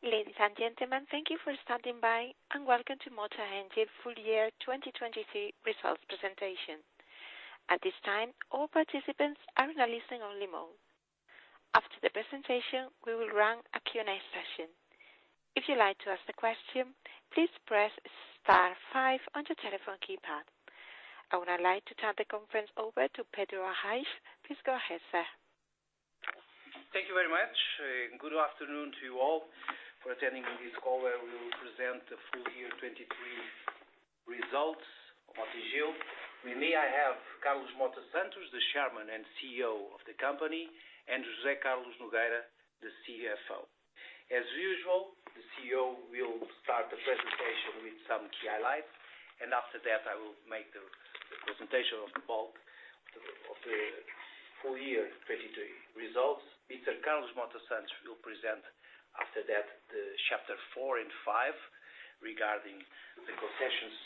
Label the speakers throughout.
Speaker 1: Ladies and gentlemen, thank you for standing by and welcome to Mota-Engil full year 2023 results presentation. At this time, all participants are in a listening-only mode. After the presentation, we will run a Q&A session. If you'd like to ask a question, please press star five on your telephone keypad. I would now like to turn the conference over to Pedro Arrais. Please go ahead, sir.
Speaker 2: Thank you very much. Good afternoon to you all for attending this call where we will present the full year 2023 results of Mota-Engil. With me, I have Carlos Mota Santos, the Chairman and CEO of the company, and José Carlos Nogueira, the CFO. As usual, the CEO will start the presentation with some key highlights, and after that, I will make the presentation of the bulk of the full year 2023 results. Mr. Carlos Mota Santos will present after that the chapter four and five regarding the concessions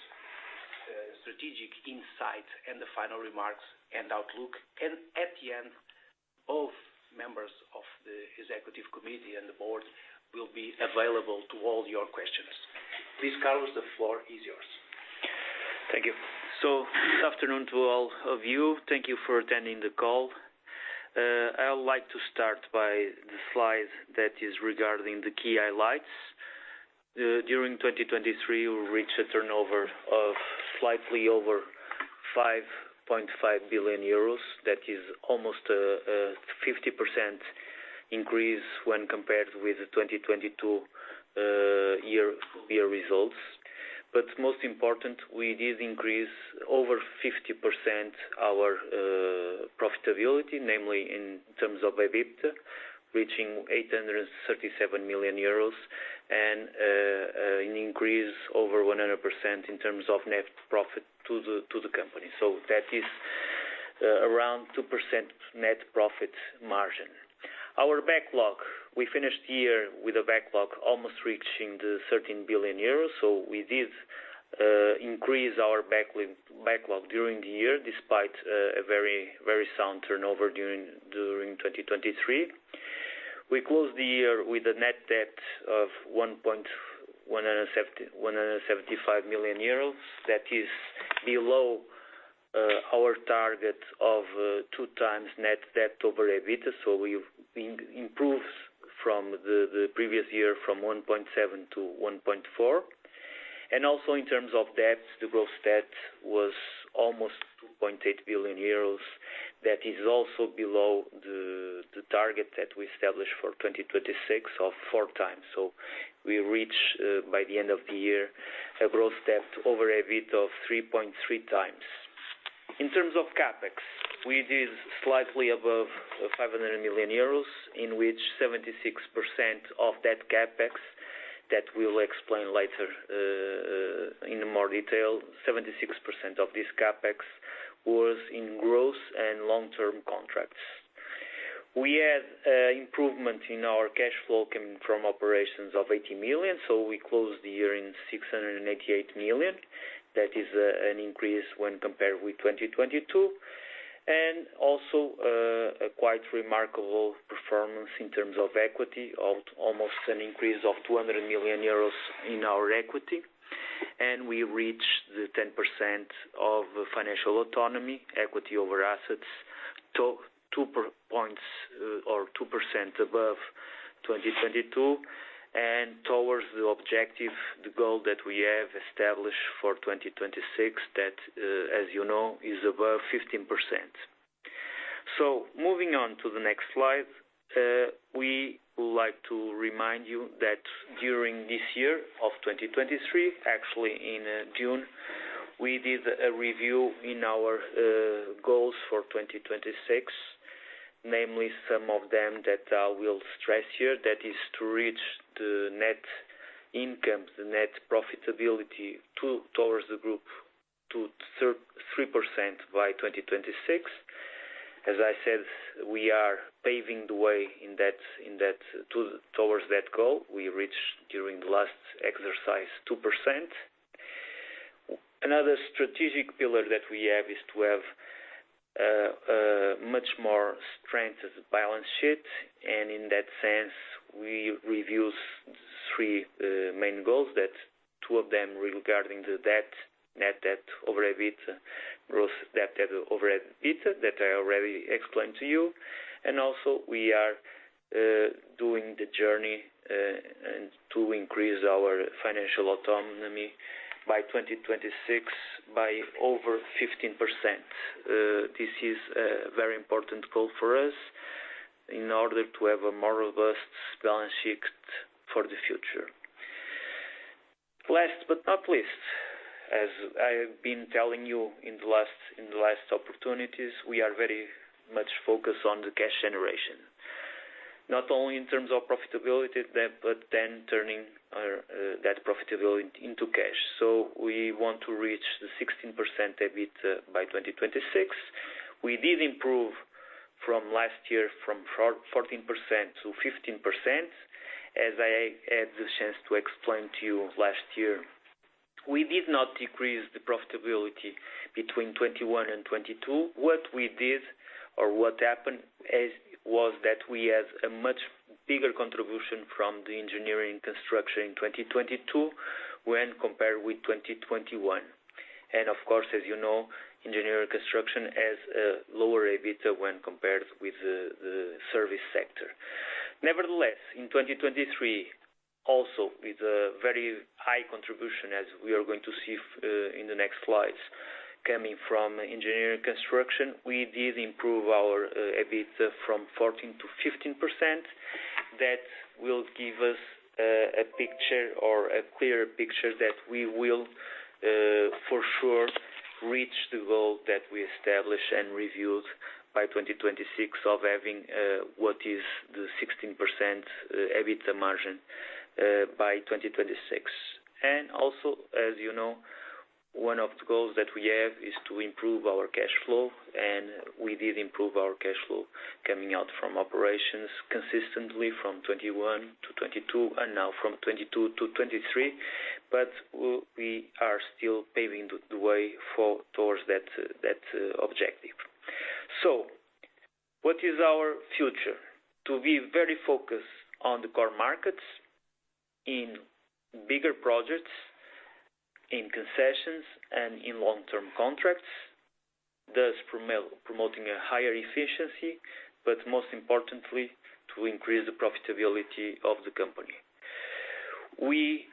Speaker 2: strategic insight and the final remarks and outlook. At the end, both members of the executive committee and the board will be available to all your questions. Mr. Carlos, the floor is yours.
Speaker 3: Thank you. Good afternoon to all of you. Thank you for attending the call. I would like to start by the slide that is regarding the key highlights. During 2023, we reached a turnover of slightly over 5.5 billion euros. That is almost a 50% increase when compared with the 2022 year-results. But most important, we did increase over 50% our profitability, namely in terms of EBITDA, reaching 837 million euros, and an increase over 100% in terms of net profit to the company. So that is around 2% net profit margin. Our backlog, we finished the year with a backlog almost reaching 13 billion euros. So we did increase our backlog during the year despite a very, very sound turnover during 2023. We closed the year with a net debt of 1.75 million euros. That is below our target of 2x net debt over EBITDA. So we improved from the previous year from 1.7-1.4. And also in terms of debt, the gross debt was almost 2.8 billion euros. That is also below the target that we established for 2026 of 4 times. So we reached, by the end of the year, a gross debt over EBITDA of 3.3 times. In terms of CapEx, we did slightly above 500 million euros, in which 76% of that CapEx that we'll explain later in more detail, 76% of this CapEx was in gross and long-term contracts. We had an improvement in our cash flow coming from operations of 80 million. So we closed the year in 688 million. That is an increase when compared with 2022. And also a quite remarkable performance in terms of equity, almost an increase of 200 million euros in our equity. And we reached the 10% of financial autonomy, equity over assets, 2 points or 2% above 2022, and towards the objective, the goal that we have established for 2026 that, as you know, is above 15%. So moving on to the next slide, we would like to remind you that during this year of 2023, actually in June, we did a review in our goals for 2026, namely some of them that I will stress here. That is to reach the net income, the net profitability towards the group to 3% by 2026. As I said, we are paving the way towards that goal. We reached during the last exercise 2%. Another strategic pillar that we have is to have a much more strengthened balance sheet. In that sense, we reviewed three main goals, two of them regarding the debt, net debt over EBITDA, gross debt over EBITDA that I already explained to you. Also, we are doing the journey to increase our financial autonomy by 2026 by over 15%. This is a very important goal for us in order to have a more robust balance sheet for the future. Last but not least, as I have been telling you in the last opportunities, we are very much focused on the cash generation, not only in terms of profitability but then turning that profitability into cash. We want to reach the 16% EBITDA by 2026. We did improve from last year from 14% to 15%. As I had the chance to explain to you last year, we did not decrease the profitability between 2021 and 2022. What we did or what happened was that we had a much bigger contribution from the engineering and construction in 2022 when compared with 2021. And of course, as you know, engineering and construction has a lower EBITDA when compared with the service sector. Nevertheless, in 2023, also with a very high contribution, as we are going to see in the next slides, coming from engineering and construction, we did improve our EBITDA from 14%-15%. That will give us a picture or a clearer picture that we will for sure reach the goal that we established and reviewed by 2026 of having what is the 16% EBITDA margin by 2026. And also, as you know, one of the goals that we have is to improve our cash flow. We did improve our cash flow coming out from operations consistently from 2021 to 2022 and now from 2022 to 2023. We are still paving the way towards that objective. What is our future? To be very focused on the core markets, in bigger projects, in concessions, and in long-term contracts, thus promoting a higher efficiency, but most importantly, to increase the profitability of the company.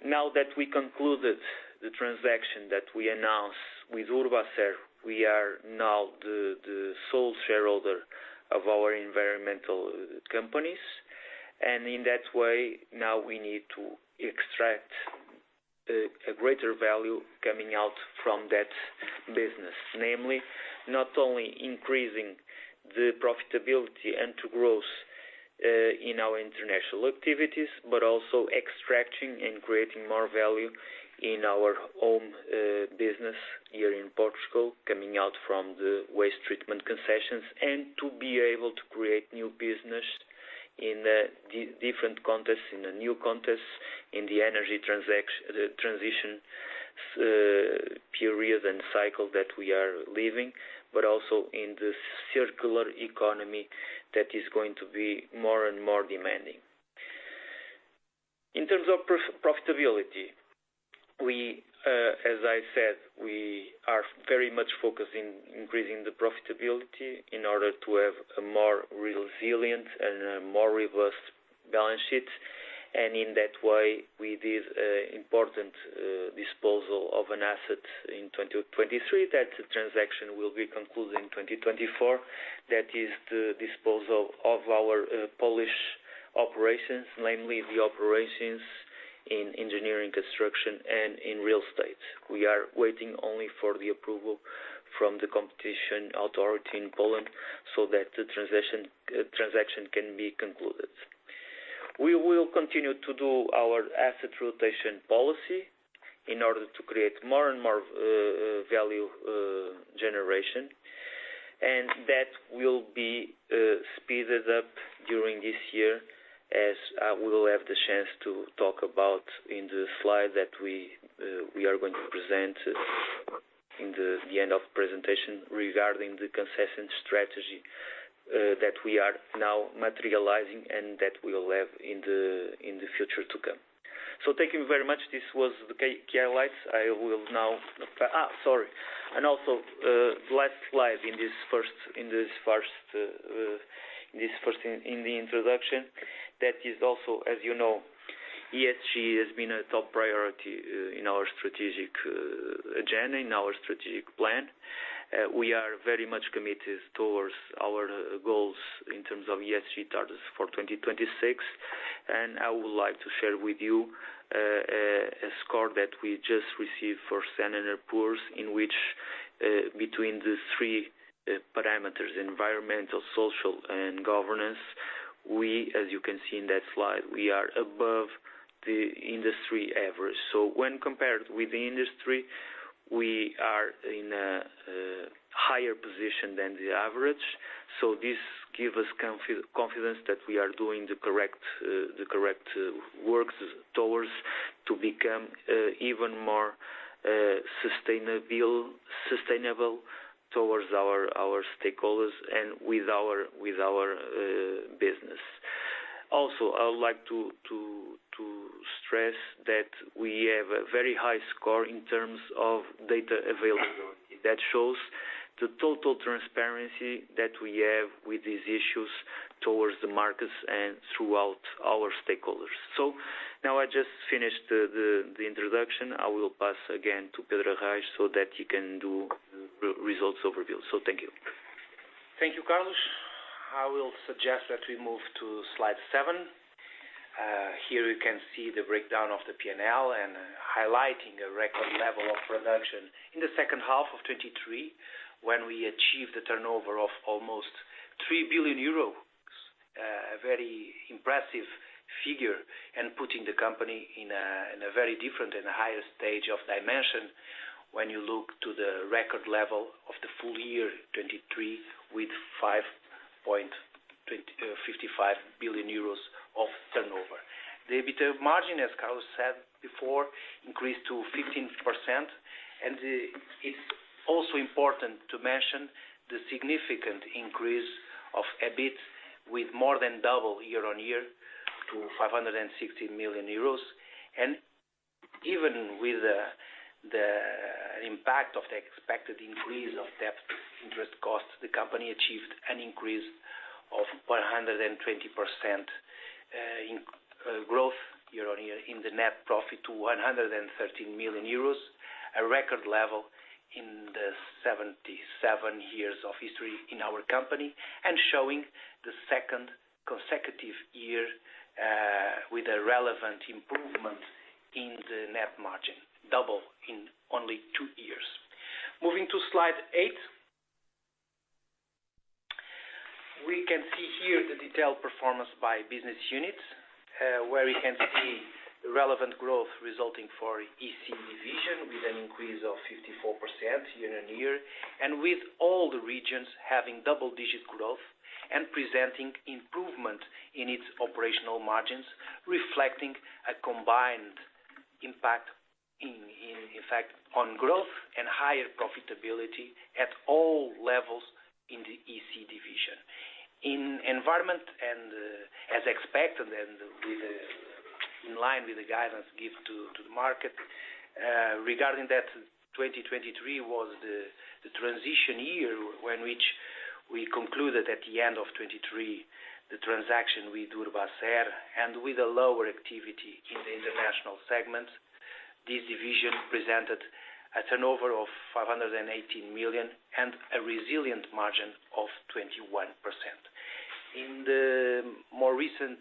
Speaker 3: Now that we concluded the transaction that we announced with Urbacer, we are now the sole shareholder of our environmental companies. In that way, now we need to extract a greater value coming out from that business, namely not only increasing the profitability and the growth in our international activities but also extracting and creating more value in our home business here in Portugal, coming out from the waste treatment concessions, and to be able to create new business in different contexts, in a new context, in the energy transition period and cycle that we are living, but also in the circular economy that is going to be more and more demanding. In terms of profitability, as I said, we are very much focused on increasing the profitability in order to have a more resilient and a more robust balance sheet. In that way, we did an important disposal of an asset in 2023 that the transaction will be concluded in 2024. That is the disposal of our Polish operations, namely the operations in engineering and construction and in real estate. We are waiting only for the approval from the competition authority in Poland so that the transaction can be concluded. We will continue to do our asset rotation policy in order to create more and more value generation. That will be speeded up during this year as I will have the chance to talk about in the slide that we are going to present at the end of the presentation regarding the concession strategy that we are now materializing and that we will have in the future to come. So thank you very much. This was the key highlights. I will now, sorry. Also, the last slide in the introduction, that is also, as you know, ESG has been a top priority in our strategic agenda, in our strategic plan. We are very much committed towards our goals in terms of ESG targets for 2026. And I would like to share with you a score that we just received for S&P Global Ratings in which, between the three parameters, environmental, social, and governance, we, as you can see in that slide, we are above the industry average. So when compared with the industry, we are in a higher position than the average. So this gives us confidence that we are doing the correct works towards to become even more sustainable towards our stakeholders and with our business. Also, I would like to stress that we have a very high score in terms of data availability. That shows the total transparency that we have with these issues towards the markets and throughout our stakeholders. So now I just finished the introduction. I will pass again to Pedro Arrais so that he can do the results overview. So thank you.
Speaker 4: Thank you, Carlos. I will suggest that we move to slide 7. Here, you can see the breakdown of the P&L and highlighting a record level of production in the second half of 2023 when we achieved a turnover of almost 3 billion euros, a very impressive figure, and putting the company in a very different and higher stage of dimension when you look to the record level of the full year 2023 with 5.55 billion euros of turnover. The EBITDA margin, as Carlos said before, increased to 15%. It's also important to mention the significant increase of EBIT with more than double year-on-year to 560 million euros. Even with the impact of the expected increase of debt interest costs, the company achieved an increase of 120% growth year-over-year in the net profit to 113 million euros, a record level in the 77 years of history in our company, and showing the second consecutive year with a relevant improvement in the net margin, double in only two years. Moving to slide 8, we can see here the detailed performance by business units where we can see the relevant growth resulting for EC division with an increase of 54% year-over-year and with all the regions having double-digit growth and presenting improvement in its operational margins reflecting a combined impact, in fact, on growth and higher profitability at all levels in the EC division. As expected and in line with the guidance given to the market regarding that 2023 was the transition year when which we concluded at the end of 2023 the transaction with Urbacer and with a lower activity in the international segment, this division presented a turnover of 518 million and a resilient margin of 21%. In the more recent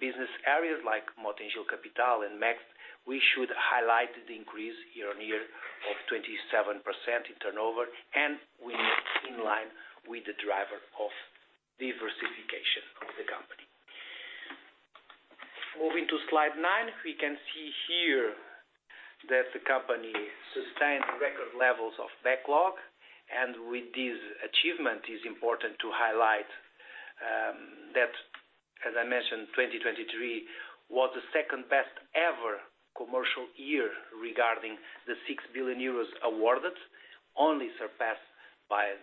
Speaker 4: business areas like Mota-Engil Capital and MEXC, we should highlight the increase year-on-year of 27% in turnover and in line with the driver of diversification of the company. Moving to slide 9, we can see here that the company sustained record levels of backlog. With this achievement, it is important to highlight that, as I mentioned, 2023 was the second best-ever commercial year regarding the 6 billion euros awarded, only surpassed by.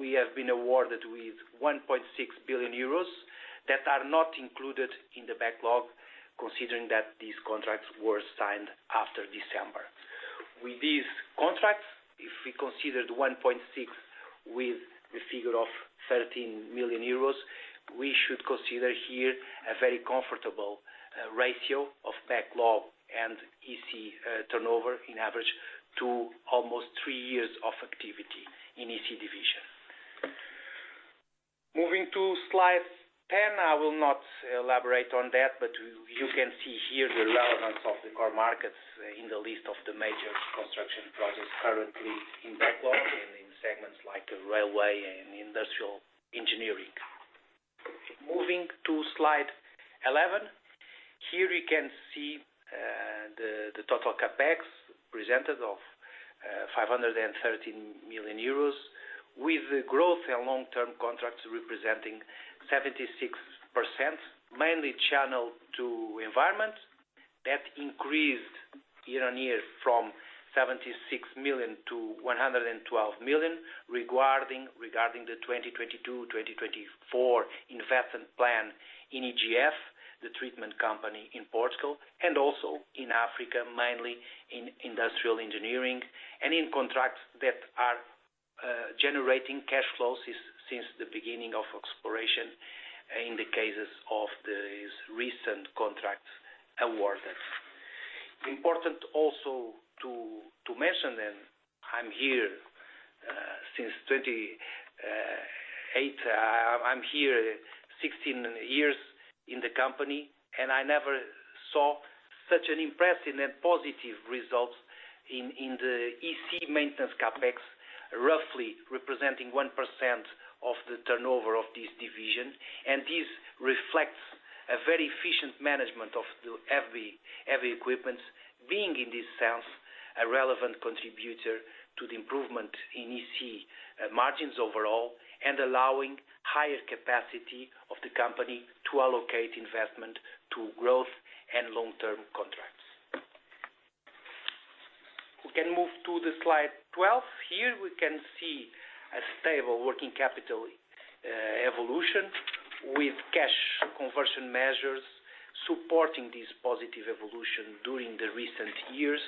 Speaker 4: We have been awarded with 1.6 billion euros that are not included in the backlog considering that these contracts were signed after December. With these contracts, if we consider the 1.6 with the figure of 13 million euros, we should consider here a very comfortable ratio of backlog and EC turnover in average to almost three years of activity in EC division. Moving to slide 10, I will not elaborate on that, but you can see here the relevance of the core markets in the list of the major construction projects currently in backlog and in segments like railway and industrial engineering. Moving to slide 11, here, we can see the total CapEx presented of 513 million euros with the growth and long-term contracts representing 76%, mainly channeled to environment. That increased year on year from 76 million to 112 million regarding the 2022-2024 investment plan in EGF, the treatment company in Portugal, and also in Africa, mainly in industrial engineering and in contracts that are generating cash flows since the beginning of exploration in the cases of these recent contracts awarded. Important also to mention then, I'm here since 2008. I'm here 16 years in the company, and I never saw such an impressive and positive result in the EC maintenance CapEx, roughly representing 1% of the turnover of this division. This reflects a very efficient management of the heavy equipment being in this sense a relevant contributor to the improvement in EC margins overall and allowing higher capacity of the company to allocate investment to growth and long-term contracts. We can move to the slide 12. Here, we can see a stable working capital evolution with cash conversion measures supporting this positive evolution during the recent years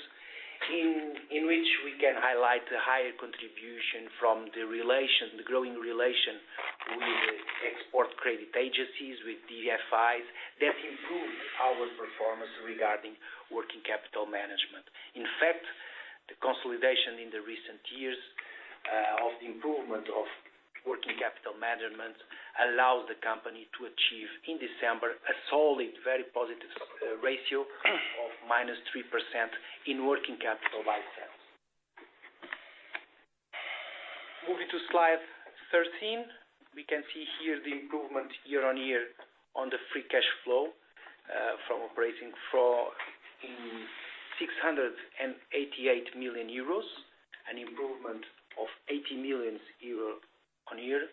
Speaker 4: in which we can highlight the higher contribution from the growing relation with export credit agencies, with DFIs that improved our performance regarding working capital management. In fact, the consolidation in the recent years of the improvement of working capital management allows the company to achieve in December a solid, very positive ratio of -3% in working capital by itself. Moving to slide 13, we can see here the year-on-year improvement on the free cash flow from operating from 688 million euros, an improvement of 80 million euros on year.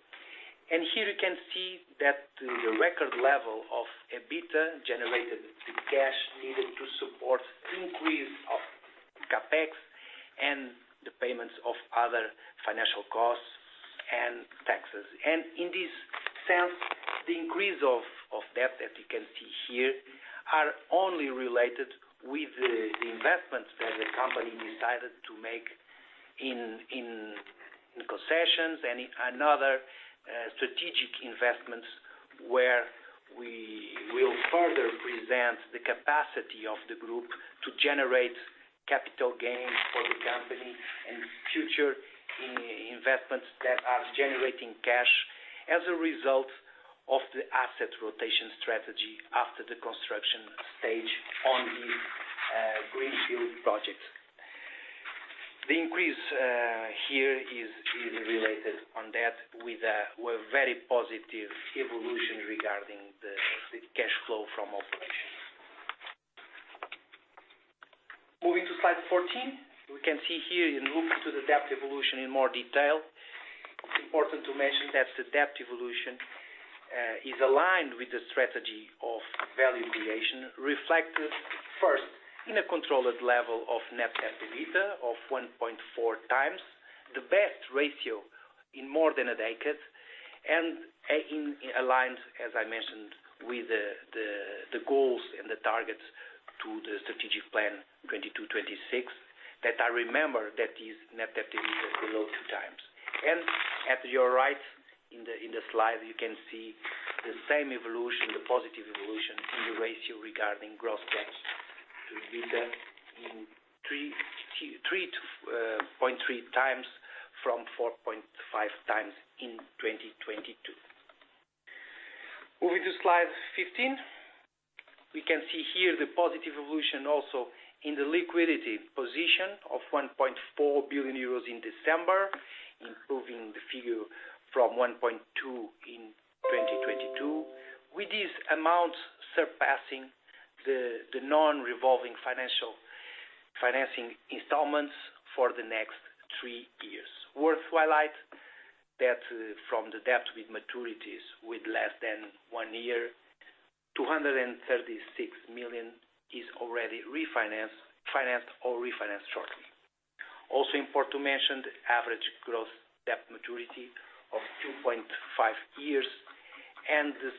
Speaker 4: And here, you can see that the record level of EBITDA generated, the cash needed to support increase of CapEx and the payments of other financial costs and taxes. In this sense, the increase of debt that you can see here are only related with the investments that the company decided to make in concessions and in other strategic investments where we will further present the capacity of the group to generate capital gains for the company and future investments that are generating cash as a result of the asset rotation strategy after the construction stage on these greenfield projects. The increase here is related on that with a very positive evolution regarding the cash flow from operations. Moving to slide 14, we can see here in looking to the debt evolution in more detail, it's important to mention that the debt evolution is aligned with the strategy of value creation reflected first in a controlled level of net debt EBITDA of 1.4 times, the best ratio in more than a decade, and aligned, as I mentioned, with the goals and the targets to the strategic plan 2022-2026 that I remember that this net debt EBITDA is below 2 times. At your right in the slide, you can see the same evolution, the positive evolution in the ratio regarding gross debt to EBITDA in 3.3 times from 4.5 times in 2022. Moving to slide 15, we can see here the positive evolution also in the liquidity position of 1.4 billion euros in December, improving the figure from 1.2 in 2022 with these amounts surpassing the non-revolving financing installments for the next three years. Worth to highlight that from the debt with maturities with less than one year, 236 million is already refinanced or refinanced shortly. Also important to mention, average gross debt maturity of 2.5 years and the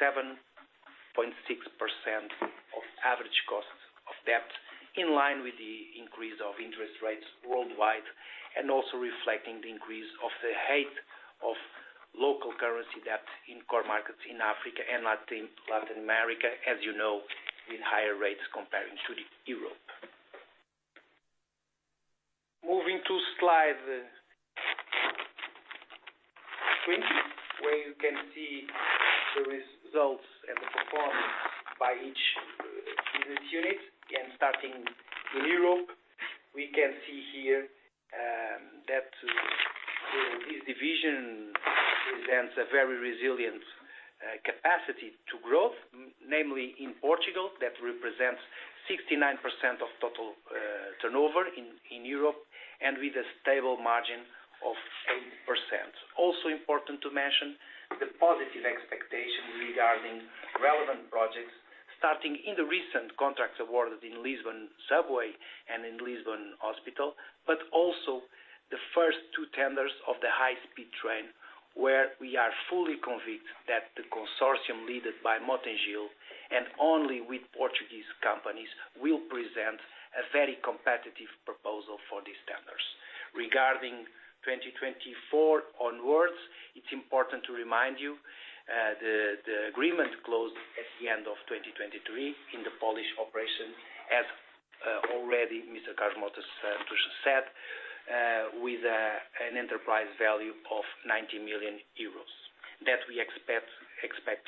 Speaker 4: 7.6% of average cost of debt in line with the increase of interest rates worldwide and also reflecting the increase of the height of local currency debt in core markets in Africa and Latin America, as you know, with higher rates comparing to Europe. Moving to slide 20 where you can see the results and the performance by each unit. Again, starting in Europe, we can see here that this division presents a very resilient capacity to growth, namely in Portugal that represents 69% of total turnover in Europe and with a stable margin of 8%. Also important to mention, the positive expectations regarding relevant projects starting in the recent contracts awarded in Lisbon Metro and in Lisbon Oriental Hospital, but also the first two tenders of the high-speed train where we are fully convinced that the consortium led by Mota-Engil and only with Portuguese companies will present a very competitive proposal for these tenders. Regarding 2024 onwards, it's important to remind you the agreement closed at the end of 2023 in the Polish operation, as already Mr. Carlos Mota-Engil said, with an enterprise value of 90 million euros that we expect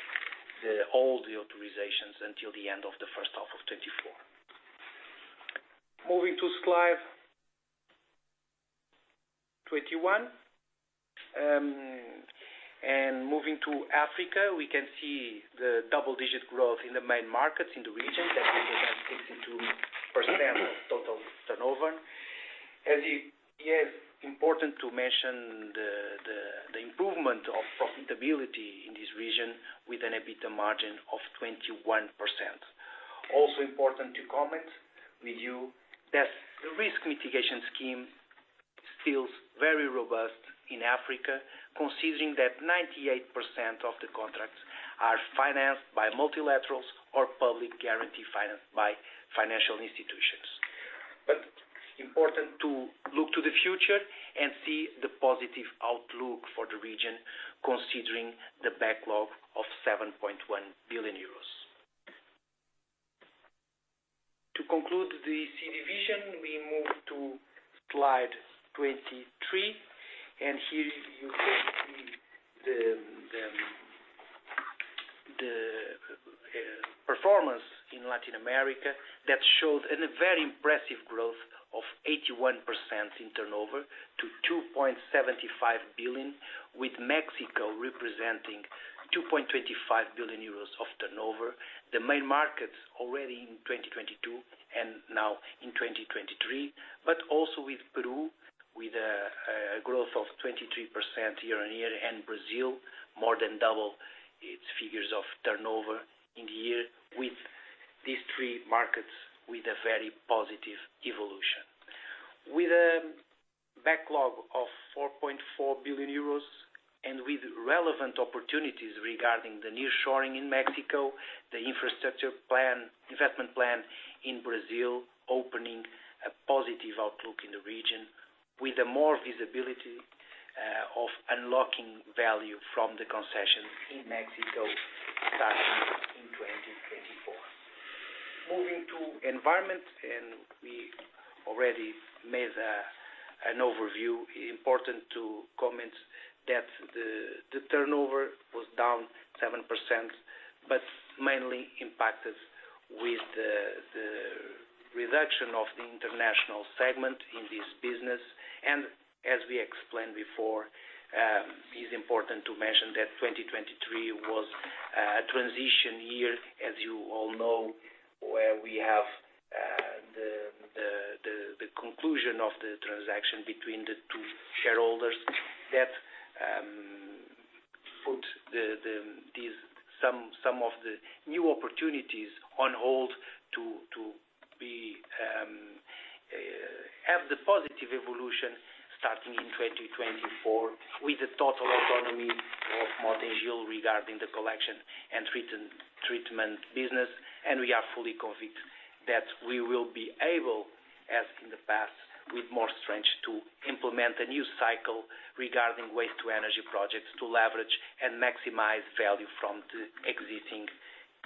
Speaker 4: all the authorizations until the end of the first half of 2024. Moving to slide 21 and moving to Africa, we can see the double-digit growth in the main markets in the region that represents 62% of total turnover. As you hear, it's important to mention the improvement of profitability in this region with an EBITDA margin of 21%. Also important to comment with you that the risk mitigation scheme still is very robust in Africa considering that 98% of the contracts are financed by multilaterals or public guarantee financed by financial institutions. But it's important to look to the future and see the positive outlook for the region considering the backlog of 7.1 billion euros. To conclude the EC division, we move to slide 23. Here, you can see the performance in Latin America that showed a very impressive growth of 81% in turnover to 2.75 billion with Mexico representing 2.25 billion euros of turnover, the main markets already in 2022 and now in 2023, but also with Peru with a growth of 23% year-on-year and Brazil more than double its figures of turnover in the year with these three markets with a very positive evolution. With a backlog of 4.4 billion euros and with relevant opportunities regarding the nearshoring in Mexico, the infrastructure plan, investment plan in Brazil opening a positive outlook in the region with more visibility of unlocking value from the concessions in Mexico starting in 2024. Moving to environment, and we already made an overview, it's important to comment that the turnover was down 7% but mainly impacted with the reduction of the international segment in this business. As we explained before, it's important to mention that 2023 was a transition year, as you all know, where we have the conclusion of the transaction between the two shareholders that put some of the new opportunities on hold to have the positive evolution starting in 2024 with the total autonomy of Mota-Engil regarding the collection and treatment business. We are fully convinced that we will be able, as in the past with more strength, to implement a new cycle regarding waste-to-energy projects to leverage and maximize value from the existing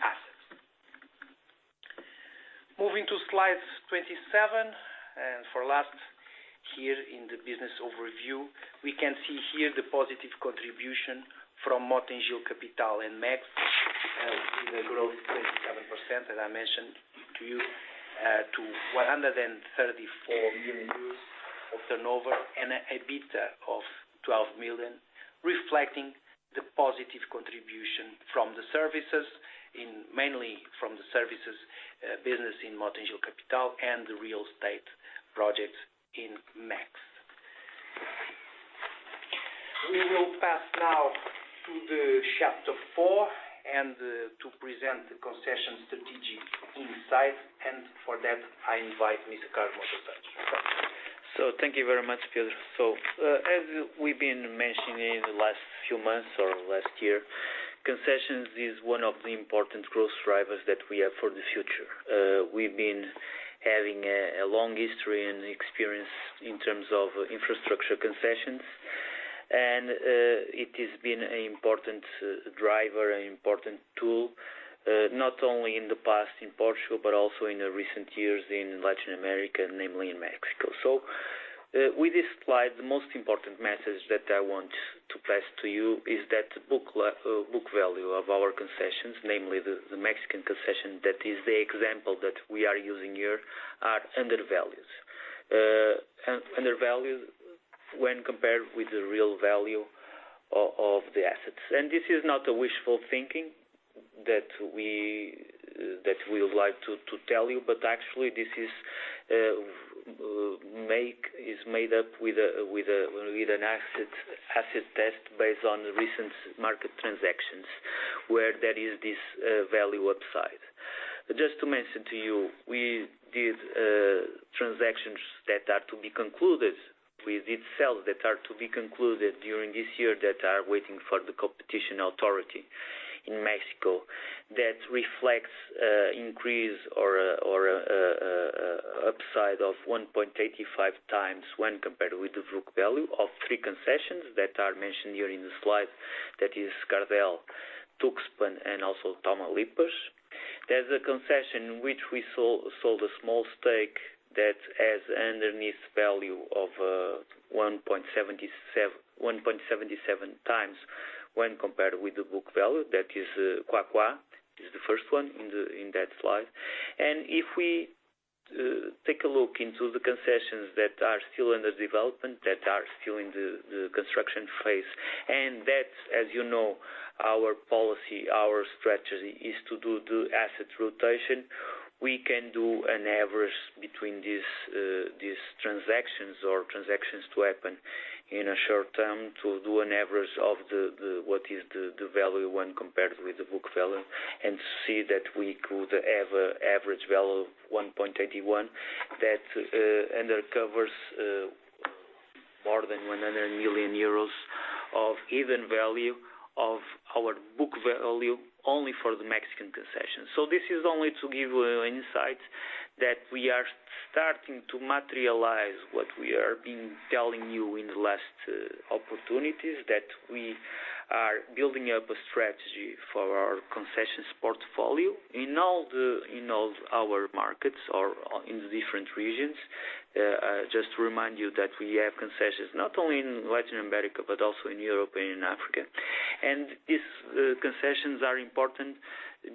Speaker 4: assets. Moving to slide 27 and for last here in the business overview, we can see here the positive contribution from Mota-Engil Capital and MEX with a growth of 27%, as I mentioned to you, to 134 million euros of turnover and an EBITDA of 12 million reflecting the positive contribution from the services, mainly from the services business in Mota-Engil Capital and the real estate projects in MEX. We will pass now to chapter four and to present the concessions strategic insight. For that, I invite Mr. Carlos Mota Santos. Thank you very much, Pedro. As we've been mentioning in the last few months or last year, concessions is one of the important growth drivers that we have for the future. We've been having a long history and experience in terms of infrastructure concessions. It has been an important driver, an important tool not only in the past in Portugal but also in the recent years in Latin America, namely in Mexico. With this slide, the most important message that I want to pass to you is that the book value of our concessions, namely the Mexican concession that is the example that we are using here, are undervalued when compared with the real value of the assets. This is not a wishful thinking that we would like to tell you, but actually, this is made up with an asset test based on recent market transactions where there is this value upside. Just to mention to you, we did transactions that are to be concluded, with itself that are to be concluded during this year that are waiting for the competition authority in Mexico that reflects increase or upside of 1.85 times when compared with the book value of three concessions that are mentioned here in the slide that is Autopista Cardel-Poza Rica, Autopista Tuxpan-Tampico, and also APP Tamaulipas. There's a concession in which we sold a small stake that has an underneath value of 1.77 times when compared with the book value that is Autopista Cuapiaxtla-Cuacnopalan. It's the first one in that slide. If we take a look into the concessions that are still under development, that are still in the construction phase, and that, as you know, our policy, our strategy is to do the asset rotation, we can do an average between these transactions or transactions to happen in a short term to do an average of what is the value when compared with the book value and see that we could have an average value of 1.81 that undercovers more than 100 million euros of even value of our book value only for the Mexican concession. So this is only to give you an insight that we are starting to materialize what we are being telling you in the last opportunities, that we are building up a strategy for our concessions portfolio in all our markets or in the different regions. Just to remind you that we have concessions not only in Latin America but also in Europe and in Africa. These concessions are important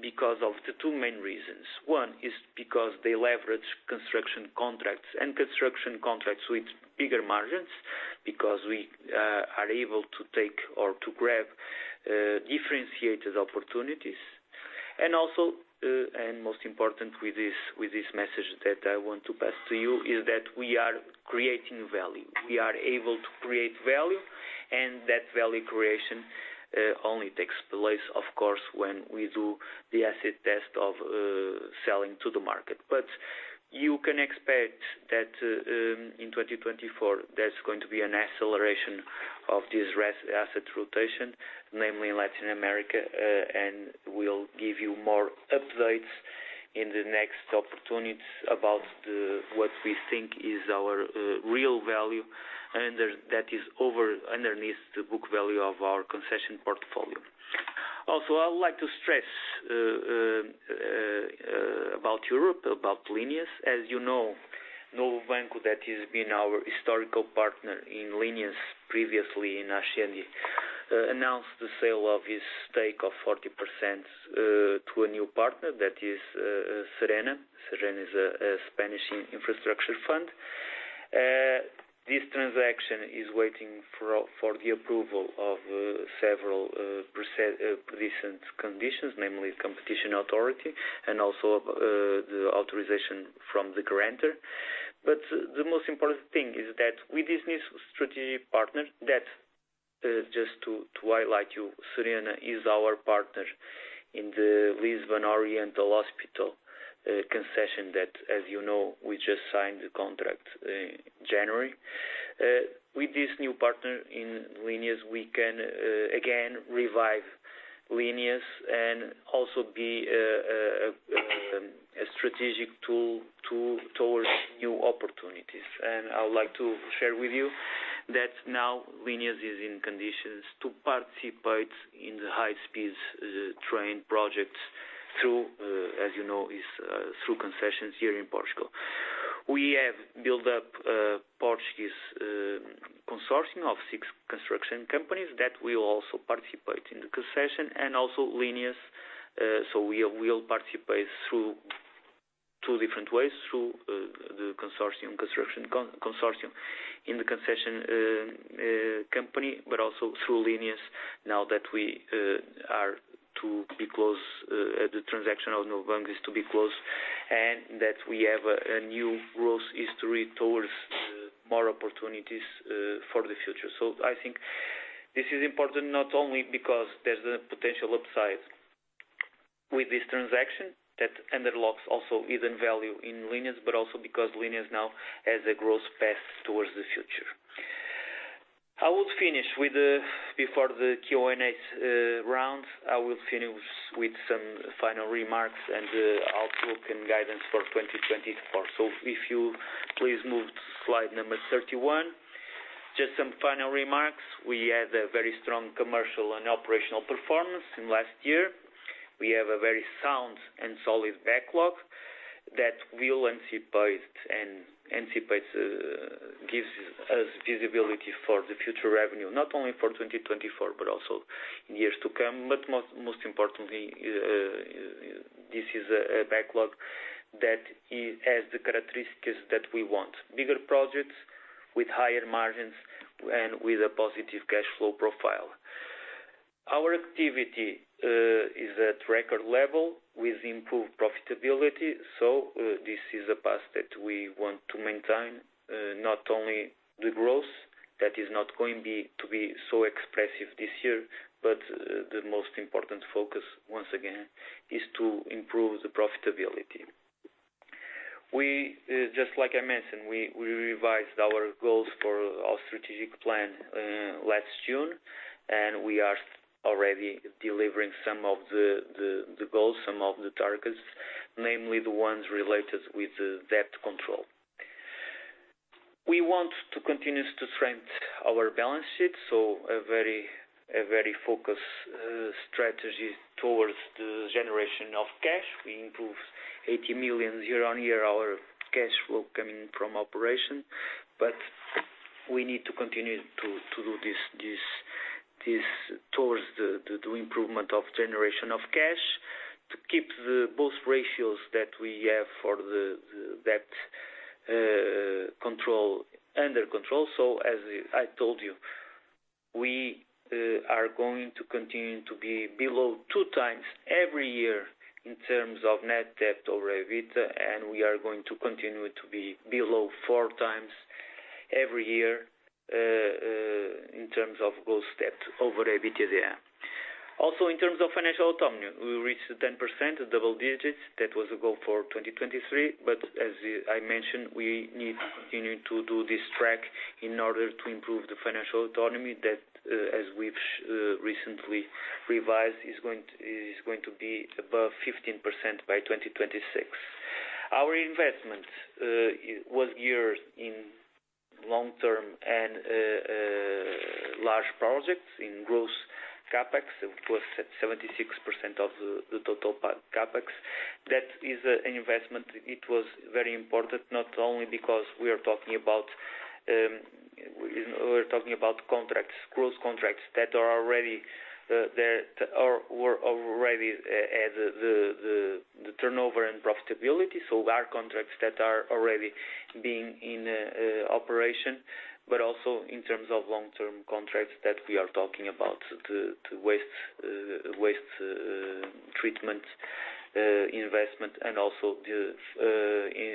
Speaker 4: because of the two main reasons. One is because they leverage construction contracts and construction contracts with bigger margins because we are able to take or to grab differentiated opportunities. And also, and most important with this message that I want to pass to you, is that we are creating value. We are able to create value, and that value creation only takes place, of course, when we do the asset test of selling to the market. But you can expect that in 2024, there's going to be an acceleration of this asset rotation, namely in Latin America, and we'll give you more updates in the next opportunities about what we think is our real value that is underneath the book value of our concession portfolio. Also, I would like to stress about Europe, about Lineas. As you know, Novo Banco that has been our historical partner in Lineas previously in Ascendi announced the sale of his stake of 40% to a new partner that is Serena. Serena is a Spanish infrastructure fund. This transaction is waiting for the approval of several recent conditions, namely competition authority and also the authorization from the grantor. The most important thing is that with this new strategic partner that, just to highlight you, Serena is our partner in the Lisbon Oriental Hospital concession that, as you know, we just signed the contract in January. With this new partner in Lineas, we can again revive Lineas and also be a strategic tool towards new opportunities. I would like to share with you that now Lineas is in conditions to participate in the high-speed train projects through, as you know, through concessions here in Portugal. We have built up a Portuguese consortium of six construction companies that will also participate in the concession and also Lineas. So we will participate through two different ways, through the consortium, construction consortium in the concession company, but also through Lineas now that we are to be closed the transaction of Novo Banco is to be closed and that we have a new growth story towards more opportunities for the future. So I think this is important not only because there's a potential upside with this transaction that unlocks also even value in Lineas, but also because Lineas now has a growth path towards the future. I will finish with, before the Q&A rounds, I will finish with some final remarks and outlook and guidance for 2024. So if you please move to slide number 31, just some final remarks. We had a very strong commercial and operational performance in last year. We have a very sound and solid backlog that will anticipate and anticipates, gives us visibility for the future revenue, not only for 2024 but also in years to come. Most importantly, this is a backlog that has the characteristics that we want, bigger projects with higher margins and with a positive cash flow profile. Our activity is at record level with improved profitability. This is a path that we want to maintain, not only the growth that is not going to be so expressive this year, but the most important focus, once again, is to improve the profitability. Just like I mentioned, we revised our goals for our strategic plan last June, and we are already delivering some of the goals, some of the targets, namely the ones related with debt control. We want to continue to strengthen our balance sheet, so a very focused strategy towards the generation of cash. We improved 80 million year-over-year our cash flow coming from operation. But we need to continue to do this towards the improvement of generation of cash to keep both ratios that we have for the debt control under control. So as I told you, we are going to continue to be below 2x every year in terms of net debt over EBITDA, and we are going to continue to be below 4x every year in terms of gross debt over EBITDA. Also, in terms of financial autonomy, we reached 10%, double digits. That was a goal for 2023. But as I mentioned, we need to continue to do this track in order to improve the financial autonomy that, as we've recently revised, is going to be above 15% by 2026. Our investment was geared in long-term and large projects in gross Capex. It was at 76% of the total Capex. That is an investment. It was very important not only because we are talking about contracts, gross contracts that are already there or were already at the turnover and profitability. So our contracts that are already being in operation, but also in terms of long-term contracts that we are talking about, the waste treatment investment and also the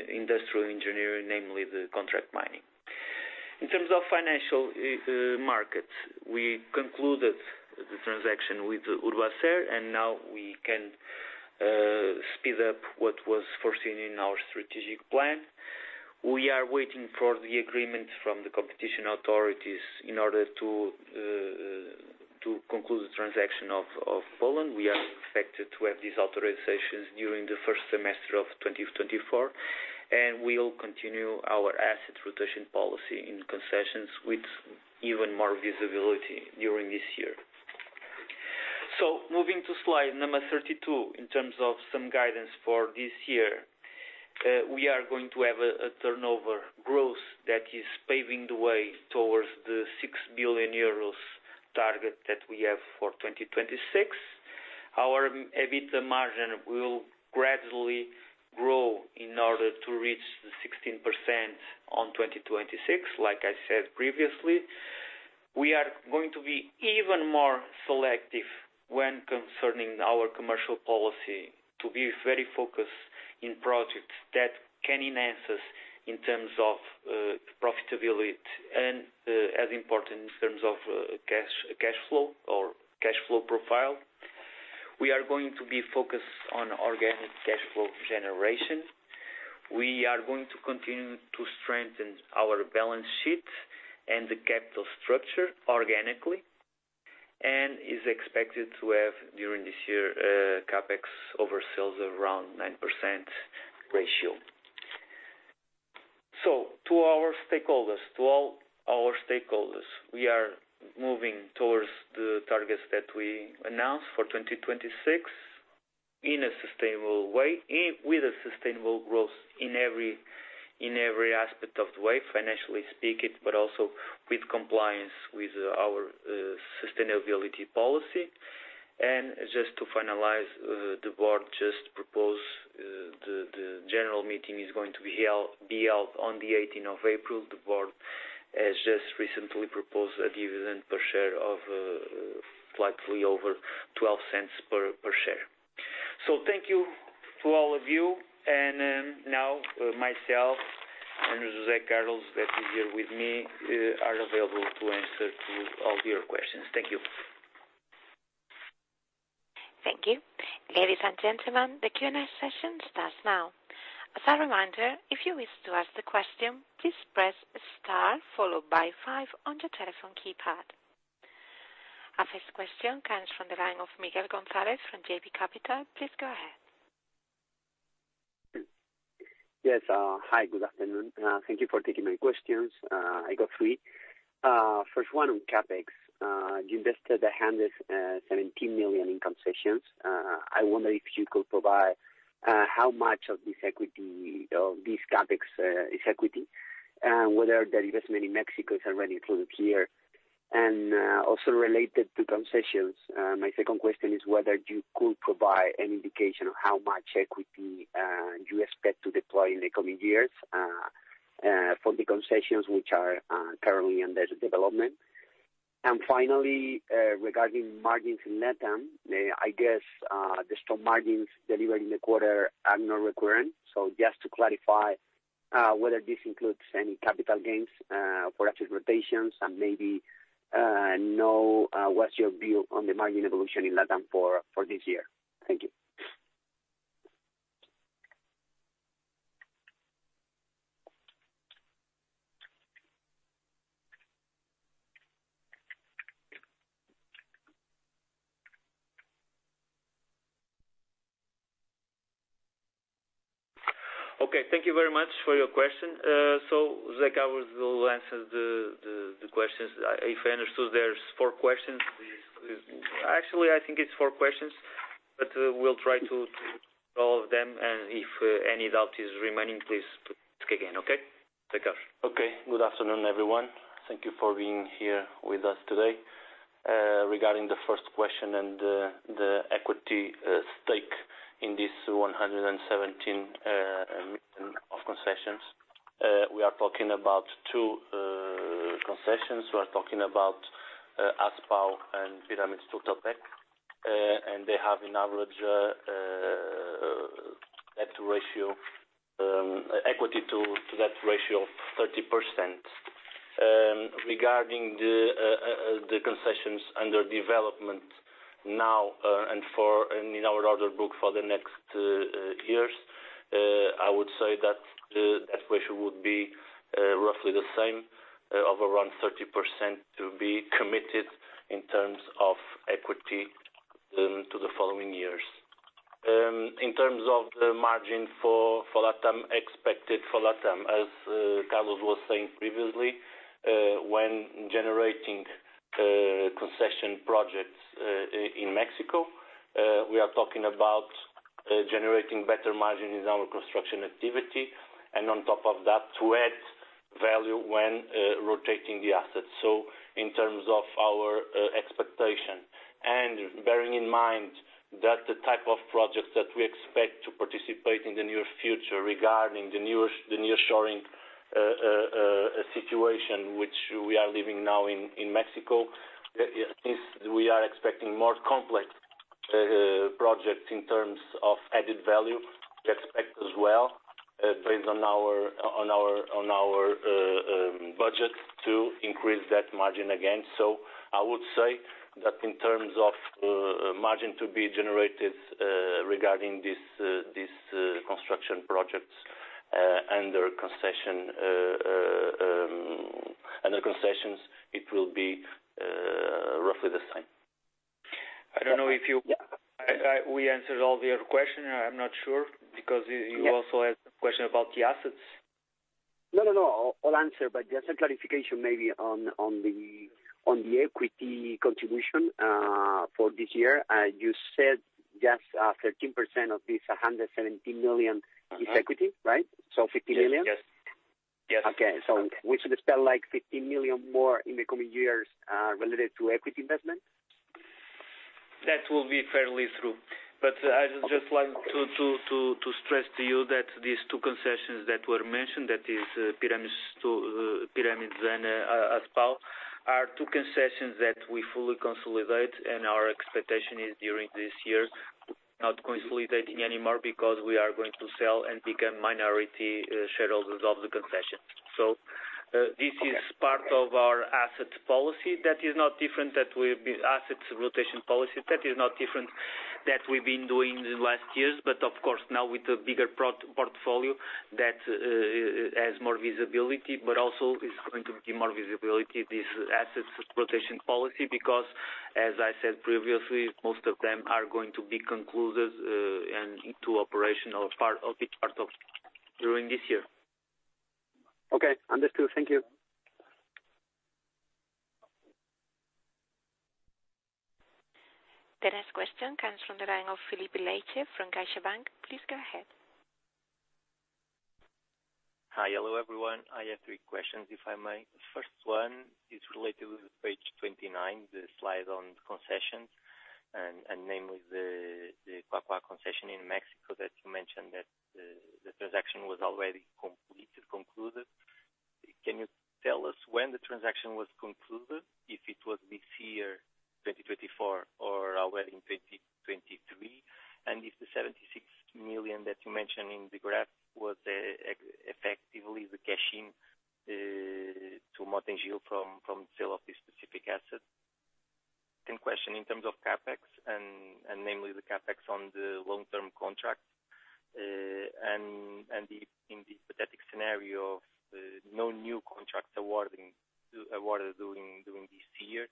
Speaker 4: industrial engineering, namely the Contract Mining. In terms of financial markets, we concluded the transaction with Urbacer, and now we can speed up what was foreseen in our strategic plan. We are waiting for the agreement from the competition authorities in order to conclude the transaction of Poland. We are expected to have these authorizations during the first semester of 2024, and we'll continue our asset rotation policy in concessions with even more visibility during this year. Moving to slide number 32 in terms of some guidance for this year, we are going to have a turnover growth that is paving the way towards the 6 billion euros target that we have for 2026. Our EBITDA margin will gradually grow in order to reach the 16% on 2026, like I said previously. We are going to be even more selective when concerning our commercial policy to be very focused in projects that can enhance us in terms of profitability and as important in terms of cash flow or cash flow profile. We are going to be focused on organic cash flow generation. We are going to continue to strengthen our balance sheet and the capital structure organically. And is expected to have during this year CapEx oversells around 9% ratio. So to our stakeholders, to all our stakeholders, we are moving towards the targets that we announced for 2026 in a sustainable way with a sustainable growth in every aspect of the way, financially speaking, but also with compliance with our sustainability policy. And just to finalize, the board just proposed the general meeting is going to be held on the 18th of April. The board has just recently proposed a dividend per share of slightly over 0.12 per share. So thank you to all of you. And now myself and José Carlos that is here with me are available to answer all your questions. Thank you.
Speaker 1: Thank you. Ladies and gentlemen, the Q&A session starts now. As a reminder, if you wish to ask the question, please press star followed by 5 on your telephone keypad. Our first question comes from the line of Miguel González from JB Capital Markets. Please go ahead.
Speaker 5: Yes. Hi. Good afternoon. Thank you for taking my questions. I got three. First one on CapEx. You invested 17 million in concessions. I wonder if you could provide how much of this equity of this CapEx is equity and whether that investment in Mexico is already included here. And also related to concessions, my second question is whether you could provide an indication of how much equity you expect to deploy in the coming years for the concessions which are currently under development. And finally, regarding margins in Latam, I guess the strong margins delivered in the quarter are not required. So just to clarify whether this includes any capital gains for asset rotations and maybe know what's your view on the margin evolution in Latam for this year. Thank you.
Speaker 4: Okay. Thank you very much for your question. José Carlos will answer the questions. If I understood, there's four questions. Actually, I think it's four questions, but we'll try to answer all of them. If any doubt is remaining, please speak again, okay? José Carlos.
Speaker 6: Okay. Good afternoon, everyone. Thank you for being here with us today. Regarding the first question and the equity stake in this 117 million of concessions, we are talking about two concessions. We are talking about ASPAO and Autopista Pirámides-Tulancingo-Pachuca. And they have an average debt ratio equity to that ratio of 30%. Regarding the concessions under development now and in our order book for the next years, I would say that that ratio would be roughly the same, of around 30% to be committed in terms of equity to the following years. In terms of the margin for Latam expected for Latam, as Carlos was saying previously, when generating concession projects in Mexico, we are talking about generating better margin in our construction activity and on top of that, to add value when rotating the assets. So in terms of our expectation and bearing in mind that the type of projects that we expect to participate in the near future regarding the nearshoring situation which we are living now in Mexico, we are expecting more complex projects in terms of added value. We expect as well, based on our budget, to increase that margin again. So I would say that in terms of margin to be generated regarding these construction projects under concessions, it will be roughly the same.
Speaker 4: I don't know if we answered all the other questions. I'm not sure because you also had some questions about the assets.
Speaker 5: No, no, no. I'll answer. But just a clarification maybe on the equity contribution for this year. You said just 13% of this 117 million is equity, right? So 50 million?
Speaker 4: Yes. Yes. Yes.
Speaker 5: Okay. We should expect like 15 million more in the coming years related to equity investment?
Speaker 4: That will be fairly true. But I just like to stress to you that these two concessions that were mentioned, that is Pyramids and ASPAO, are two concessions that we fully consolidate. And our expectation is during this year, not consolidating anymore because we are going to sell and become minority shareholders of the concession. So this is part of our asset rotation policy. That is not different from our asset rotation policy. That is not different from what we've been doing in the last years. But of course, now with a bigger portfolio that has more visibility, but also is going to be more visibility to this asset rotation policy because, as I said previously, most of them are going to be concluded and into operation or be part of during this year.
Speaker 5: Okay. Understood. Thank you.
Speaker 1: The next question comes from the line of Filipe Leite from CaixaBank. Please go ahead.
Speaker 7: Hi. Hello, everyone. I have three questions, if I may. The first one is related to page 29, the slide on concessions, and namely the Autopista Cuapiaxtla-Cuacnopalan concession in Mexico that you mentioned that the transaction was already completed, concluded. Can you tell us when the transaction was concluded, if it was this year, 2024, or already in 2023? And if the 76 million that you mentioned in the graph was effectively the cash-in to Mota-Engil from the sale of this specific asset? Second question, in terms of CapEx, and namely the CapEx on the long-term contract. And in the hypothetical scenario of no new contracts awarded during this year,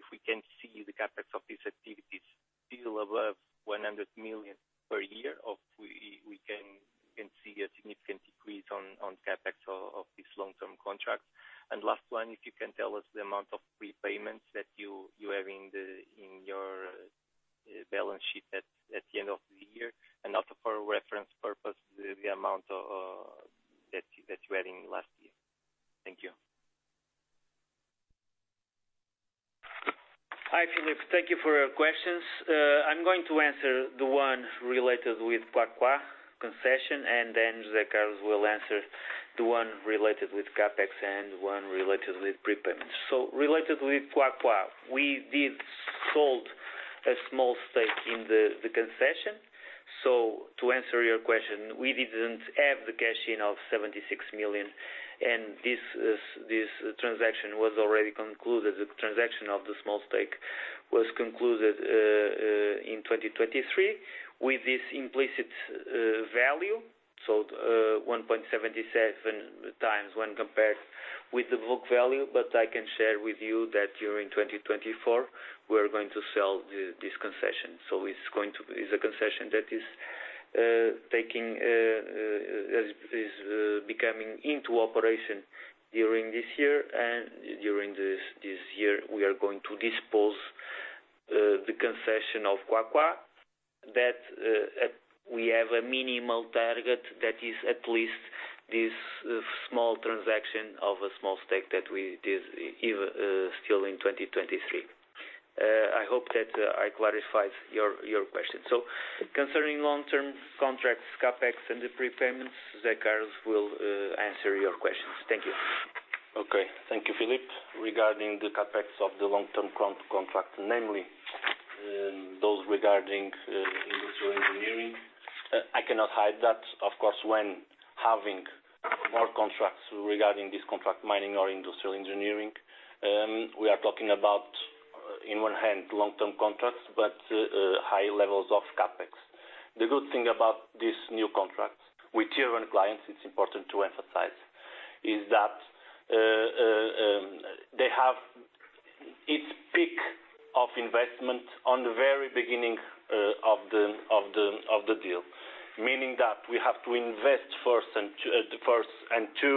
Speaker 7: if we can see the CapEx of these activities still above 100 million per year, or if we can see a significant decrease on CapEx of these long-term contracts. And last one, if you can tell us the amount of prepayments that you have in your balance sheet at the end of the year? And also for reference purposes, the amount that you had in last year. Thank you.
Speaker 4: Hi, Filipe. Thank you for your questions. I'm going to answer the one related with Autopista Cuapiaxtla-Cuacnopalan concession. Then José Carlos will answer the one related with Capex and the one related with prepayments. Related with Autopista Cuapiaxtla-Cuacnopalan, we did sold a small stake in the concession. To answer your question, we didn't have the cash-in of 76 million. This transaction was already concluded. The transaction of the small stake was concluded in 2023 with this implicit value, so 1.77x when compared with the book value. But I can share with you that during 2024, we are going to sell this concession. It's going to is a concession that is becoming into operation during this year. During this year, we are going to dispose the concession of Autopista Cuapiaxtla-Cuacnopalan. That we have a minimal target that is at least this small transaction of a small stake that we did still in 2023. I hope that I clarified your question. Concerning long-term contracts, Capex, and the prepayments, José Carlos will answer your questions. Thank you.
Speaker 8: Okay. Thank you, Filipe. Regarding the CapEx of the long-term contract, namely those regarding industrial engineering, I cannot hide that, of course, when having more contracts regarding this contract mining or industrial engineering, we are talking about, on one hand, long-term contracts but high levels of CapEx. The good thing about this new contract with year-round clients, it's important to emphasize, is that they have its peak of investment on the very beginning of the deal, meaning that we have to invest first and to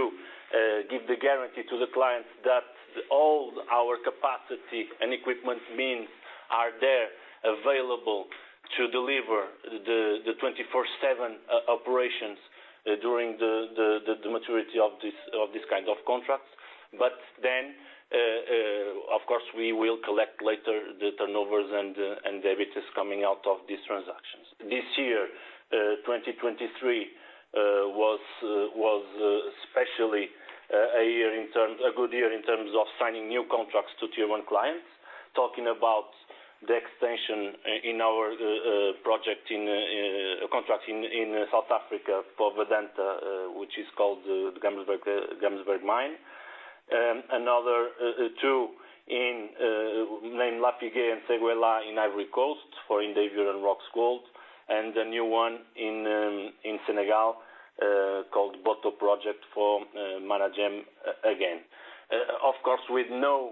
Speaker 8: give the guarantee to the clients that all our capacity and equipment means are there available to deliver the 24/7 operations during the maturity of this kind of contracts. But then, of course, we will collect later the turnovers and debits coming out of these transactions. This year, 2023, was especially a good year in terms of signing new contracts to year-round clients, talking about the extension in our project contract in South Africa for Vedanta, which is called the Gamsberg Mine. Another two named Lafigué and Séguéla in Ivory Coast for Endeavour and Roxgold. And a new one in Senegal called Boto Project for Managem again. Of course, with no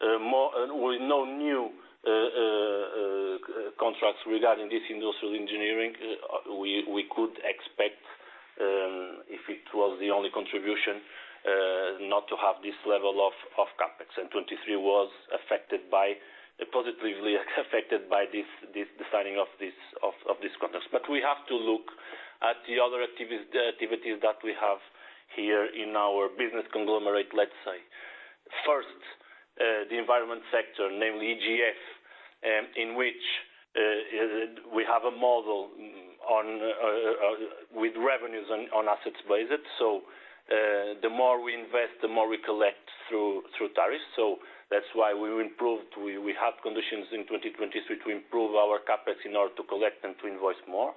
Speaker 8: new contracts regarding this industrial engineering, we could expect, if it was the only contribution, not to have this level of CapEx. And 2023 was positively affected by the signing of these contracts. But we have to look at the other activities that we have here in our business conglomerate, let's say. First, the environment sector, namely EGF, in which we have a model with revenues on asset-based. So that's why we improved. We had conditions in 2023 to improve our CapEx in order to collect and to invoice more.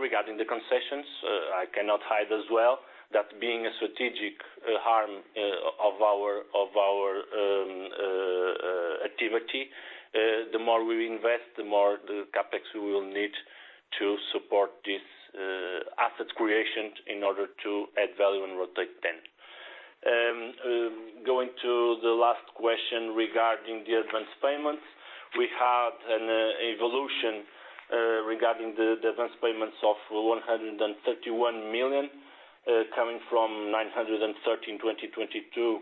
Speaker 8: Regarding the concessions, I cannot hide as well that being a strategic harm of our activity, the more we invest, the more CapEx we will need to support this asset creation in order to add value and rotate then. Going to the last question regarding the advance payments, we had an evolution regarding the advance payments of 131 million coming from 913 million in 2022 to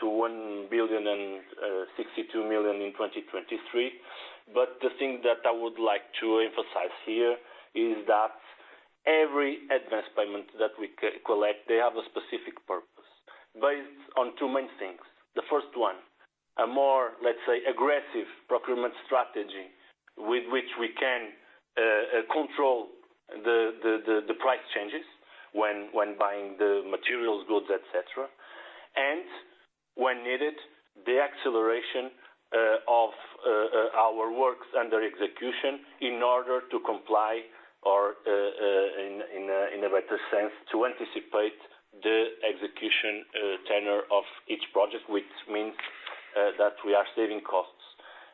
Speaker 8: 1,062 million in 2023. The thing that I would like to emphasize here is that every advance payment that we collect, they have a specific purpose based on two main things. The first one, a more, let's say, aggressive procurement strategy with which we can control the price changes when buying the materials, goods, etc. When needed, the acceleration of our works under execution in order to comply or, in a better sense, to anticipate the execution tenor of each project, which means that we are saving costs.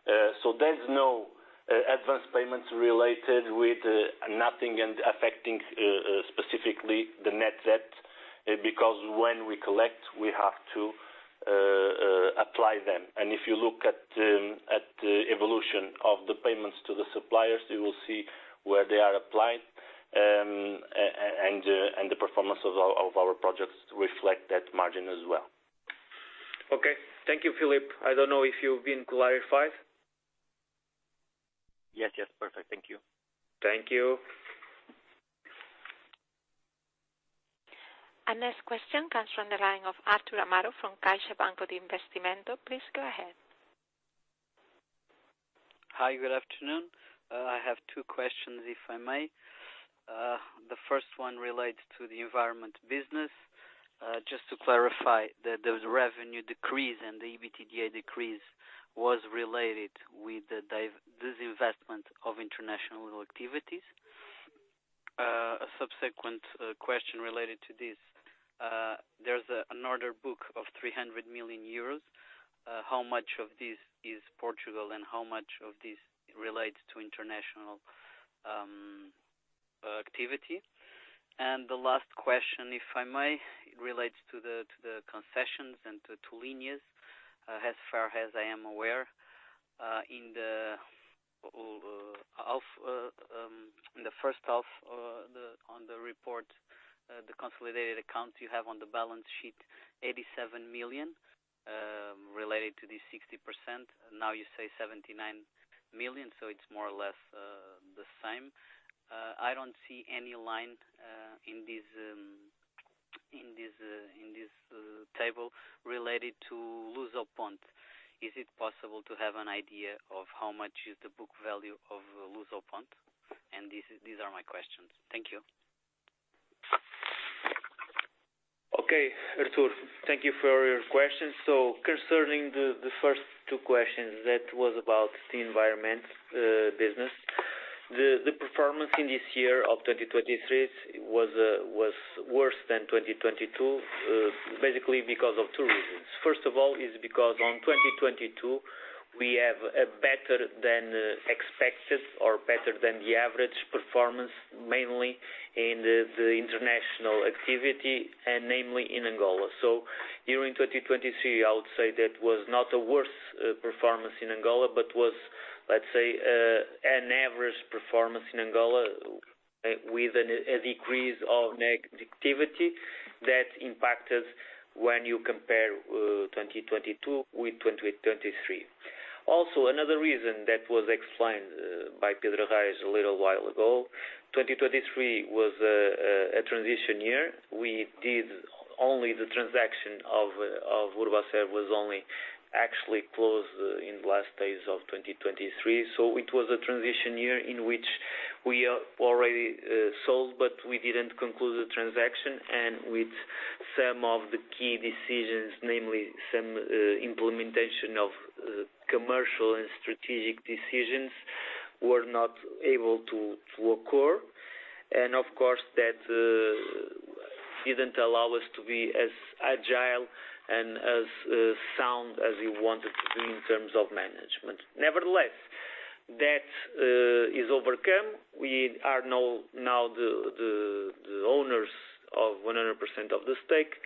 Speaker 8: There's no advance payments related with nothing affecting specifically the net debt because when we collect, we have to apply them. If you look at the evolution of the payments to the suppliers, you will see where they are applied. The performance of our projects reflect that margin as well.
Speaker 4: Okay. Thank you, Filipe. I don't know if you've been clarified.
Speaker 7: Yes. Yes. Perfect. Thank you.
Speaker 4: Thank you.
Speaker 1: Next question comes from the line of Artur Amaro from Caixa Banco de Investimento. Please go ahead.
Speaker 9: Hi. Good afternoon. I have two questions, if I may. The first one relates to the environment business. Just to clarify, the revenue decrease and the EBITDA decrease was related with this investment of international activities. A subsequent question related to this, there's an order book of 300 million euros. How much of this is Portugal and how much of this relates to international activity? And the last question, if I may, it relates to the concessions and to Lineas, as far as I am aware. In the first half on the report, the consolidated accounts you have on the balance sheet, 87 million related to this 60%. Now you say 79 million, so it's more or less the same. I don't see any line in this table related to Lusoponte. Is it possible to have an idea of how much is the book value of Lusoponte? These are my questions. Thank you.
Speaker 4: Okay, Artur. Thank you for your questions. So concerning the first two questions, that was about the environment business. The performance in this year of 2023 was worse than 2022, basically because of two reasons. First of all, it's because on 2022, we have a better than expected or better than the average performance, mainly in the international activity, and namely in Angola. So during 2023, I would say that was not a worse performance in Angola but was, let's say, an average performance in Angola with a decrease of negativity that impacted when you compare 2022 with 2023. Also, another reason that was explained by Pedro Arrais a little while ago, 2023 was a transition year. Only the transaction of Urbacer was only actually closed in the last days of 2023. So it was a transition year in which we already sold, but we didn't conclude the transaction. With some of the key decisions, namely some implementation of commercial and strategic decisions, were not able to occur. Of course, that didn't allow us to be as agile and as sound as we wanted to be in terms of management. Nevertheless, that is overcome. We are now the owners of 100% of the stake.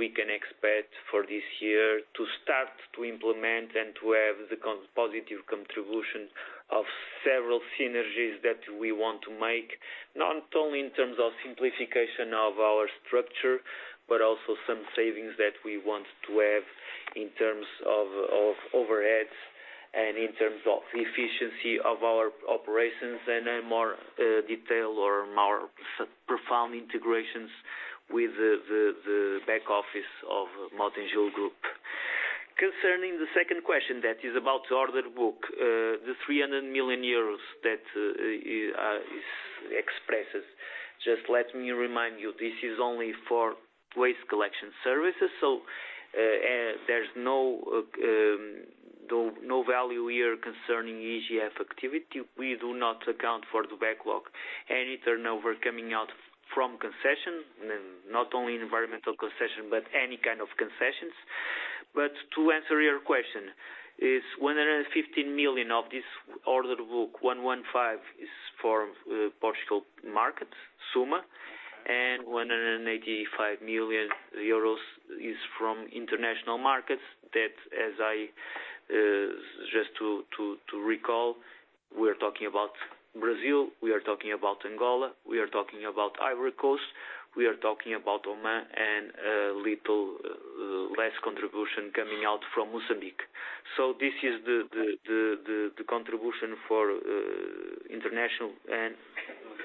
Speaker 4: We can expect for this year to start to implement and to have the positive contribution of several synergies that we want to make, not only in terms of simplification of our structure but also some savings that we want to have in terms of overheads and in terms of efficiency of our operations and more detail or more profound integrations with the back office of Mota-Engil Group. Concerning the second question that is about the order book, the 300 million euros that is expressed, just let me remind you, this is only for waste collection services. So there's no value here concerning EGF activity. We do not account for the backlog, any turnover coming out from concession, not only environmental concession but any kind of concessions. But to answer your question, 115 million of this order book, 115, is for Portugal markets, SUMA. And 185 million euros is from international markets that, as I just to recall, we are talking about Brazil, we are talking about Angola, we are talking about Ivory Coast, we are talking about Oman, and a little less contribution coming out from Mozambique. So this is the contribution for international and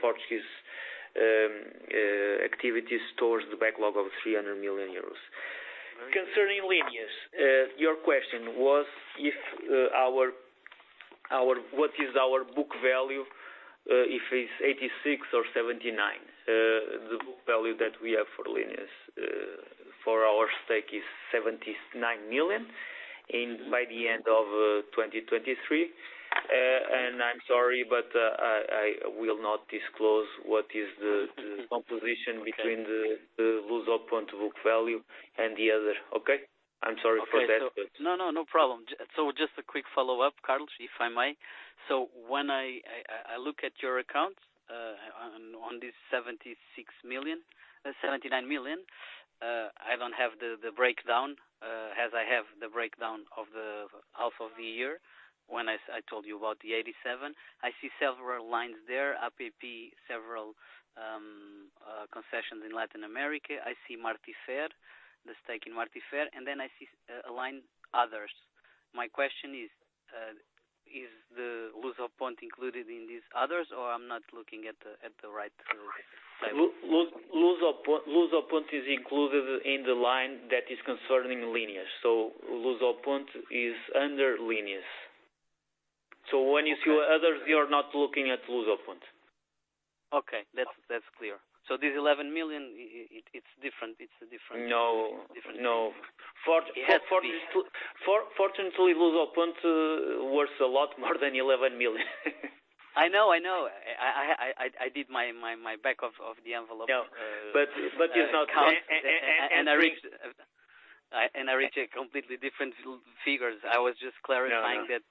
Speaker 4: Portuguese activities towards the backlog of 300 million euros. Concerning Lineas, your question was what is our book value if it's 86 or 79? The book value that we have for Lineas, for our stake, is 79 million by the end of 2023. And I'm sorry, but I will not disclose what is the composition between the Lusoponte book value and the other, okay? I'm sorry for that, but. Okay. No, no, no problem. So just a quick follow-up, Carlos, if I may. So when I look at your accounts on this 79 million, I don't have the breakdown as I have the breakdown of the half of the year when I told you about the 87. I see several lines there, APP, several concessions in Latin America. I see Martifer, the stake in Martifer. And then I see a line, others. My question is, is the Lusoponte included in these others, or I'm not looking at the right table? Lusoponte is included in the line that is concerning Lineas. So Lusoponte is under Lineas. So when you see others, you're not looking at Lusoponte. Okay. That's clear. So this 11 million, it's different. It's a different thing. No. No. Fortunately, Lusoponte works a lot more than 11 million. I know. I know. I did my back of the envelope. Yeah. But it's not. And I reached completely different figures. I was just clarifying that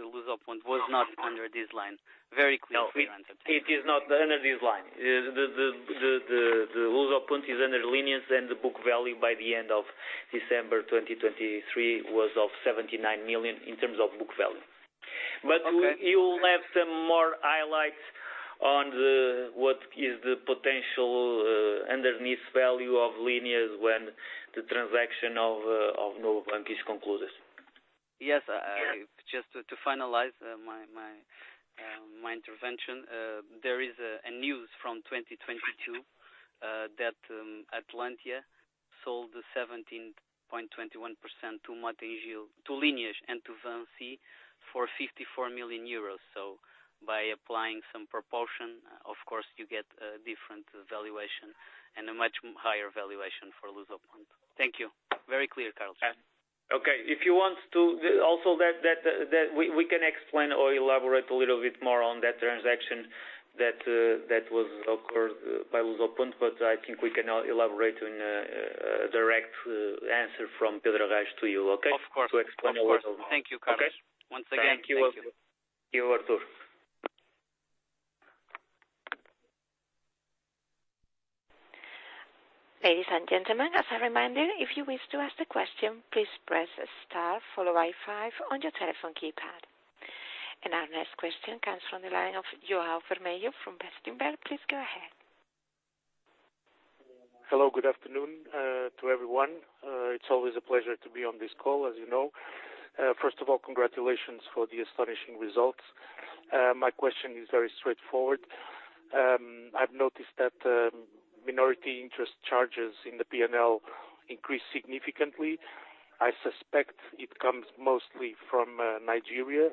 Speaker 4: Lusoponte was not under this line. Very clear for your understanding. No. It is not under this line. The Lusoponte is under Lineas. And the book value by the end of December 2023 was of 79 million in terms of book value. You'll have some more highlights on what is the potential underlying value of Lineas when the transaction of Novo Banco is concluded.
Speaker 7: Yes. Just to finalize my intervention, there is news from 2022 that Atlantia sold 17.21% to Lineas and to Vinci for 54 million euros. So by applying some proportion, of course, you get a different valuation and a much higher valuation for Lusoponte. Thank you. Very clear, Carlos.
Speaker 4: Okay. If you want to also, we can explain or elaborate a little bit more on that transaction that was occurred by Lusoponte. But I think we can elaborate in a direct answer from Pedro Arrais to you, okay?
Speaker 7: Of course.
Speaker 4: To explain a little more.
Speaker 7: Thank you, Carlos. Once again, thank you.
Speaker 4: Thank you. Thank you, Artur.
Speaker 1: Ladies and gentlemen, as a reminder, if you wish to ask a question, please press star, followed by five on your telephone keypad. Our next question comes from the line of João Vermelho from Bestinver. Please go ahead.
Speaker 10: Hello. Good afternoon to everyone. It's always a pleasure to be on this call, as you know. First of all, congratulations for the astonishing results. My question is very straightforward. I've noticed that minority interest charges in the P&L increased significantly. I suspect it comes mostly from Nigeria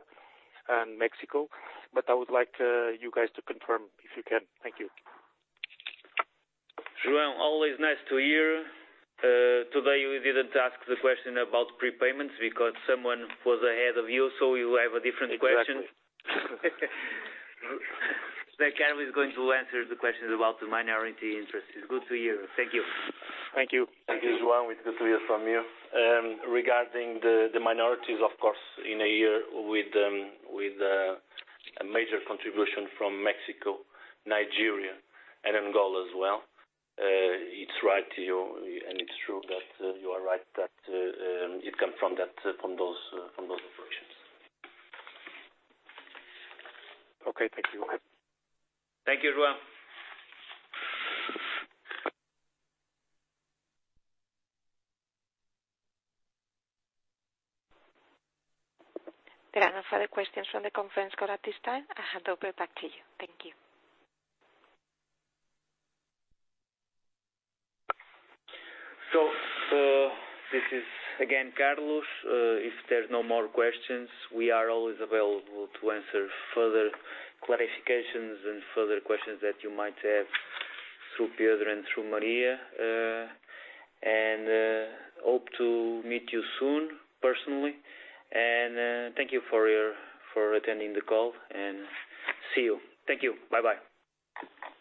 Speaker 10: and Mexico. But I would like you guys to confirm if you can. Thank you.
Speaker 4: João, always nice to hear. Today, we didn't ask the question about prepayments because someone was ahead of you. So you have a different question.
Speaker 7: Exactly.
Speaker 4: Carlos is going to answer the questions about the minority interest. It's good to hear. Thank you.
Speaker 10: Thank you. Thank you, João. It's good to hear from you. Regarding the minorities, of course, in a year with a major contribution from Mexico, Nigeria, and Angola as well, it's right to you. And it's true that you are right that it comes from those operations. Okay. Thank you.
Speaker 4: Thank you, João.
Speaker 1: There are no further questions from the conference call at this time. I hand over back to you. Thank you.
Speaker 4: So this is, again, Carlos. If there's no more questions, we are always available to answer further clarifications and further questions that you might have through Pedro and through Maria. And hope to meet you soon personally. And thank you for attending the call. And see you. Thank you. Bye-bye.